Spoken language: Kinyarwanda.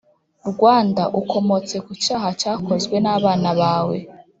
Rwanda ukomotse ku cyaha cyakozwe nabana bawe